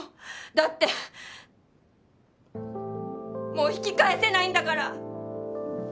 だってもう引き返せないんだから。